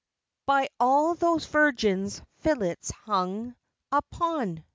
By all those virgins' fillets hung Upon!